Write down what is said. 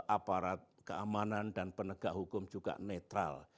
aparat keamanan dan penegak hukum juga netral